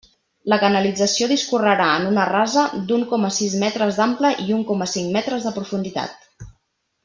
La canalització discorrerà en una rasa d'un coma sis metres d'ample i un coma cinc metres de profunditat.